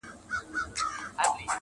چي پاچا ته خبر راغی تر درباره-